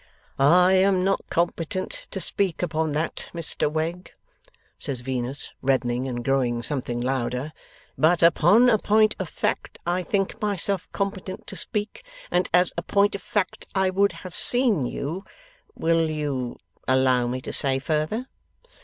'I am not competent to speak upon that, Mr Wegg,' says Venus, reddening and growing something louder; 'but upon a point of fact I think myself competent to speak; and as a point of fact I would have seen you will you allow me to say, further?